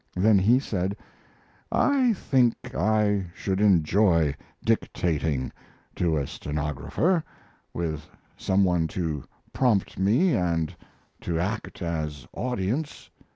Then he said: "I think I should enjoy dictating to a stenographer, with some one to prompt me and to act as audience.